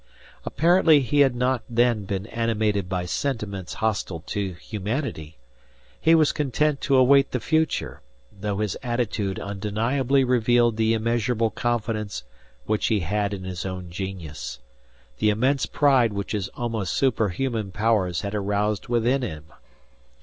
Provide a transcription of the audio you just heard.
Apparently he had not then been animated by sentiments hostile to humanity. He was content to await the future; though his attitude undeniably revealed the immeasurable confidence which he had in his own genius, the immense pride which his almost superhuman powers had aroused within him.